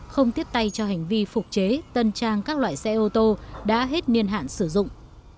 không tiếp tay cho hành vi phục chế tân trang các loại xe ô tô đã hết niên hạn sử dụng